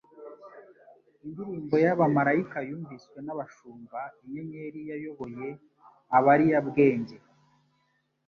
indirimbo y'abamaraika yumviswe n'abashumba, inyenyeri yayoboye abariyabwenge,